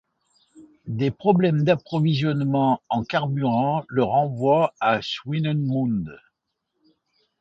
Des problèmes d'approvisionnement en carburant le renvoient à Swinnemunde.